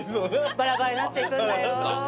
バラバラになっていくんだよ。